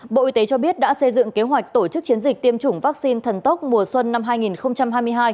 bộ y tế cho biết đã xây dựng kế hoạch tổ chức chiến dịch tiêm chủng vaccine thần tốc mùa xuân năm hai nghìn hai mươi hai